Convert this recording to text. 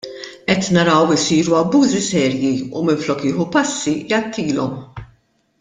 Qed naraw isiru abbużi serji u minflok jieħu passi, jgħattilhom.